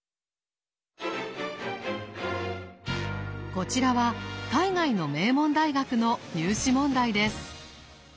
こちらは海外の名門大学の入試問題です。